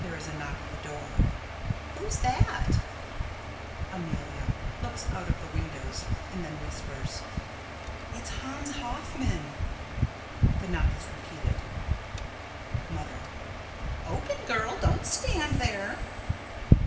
[There is a knock at the door.] Who's that? Amelia: [Looks out of the windows, and then whispers.] It's Hans Hoffman. [The knock is repeated.] Mother: Open, girl! Don't stand there!